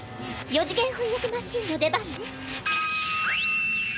４次元翻訳マシーンの出番ね。